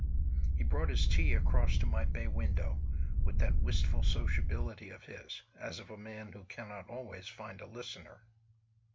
He brought his tea across to my bay window, with that wistful sociability of his, as of a man who cannot always find a listener.